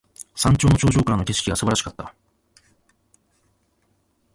山の頂上からの景色が素晴らしかった。